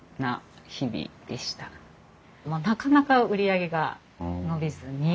なかなか売り上げが伸びずに。